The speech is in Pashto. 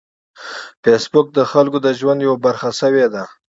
فېسبوک د خلکو د ژوند یوه برخه شوې ده